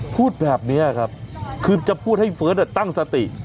พูดแบบนี้ครับคือจะพูดให้เฟิร์สตั้งสติ